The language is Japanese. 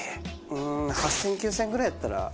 うーん８０００９０００円ぐらいやったら。